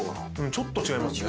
ちょっと違いますね。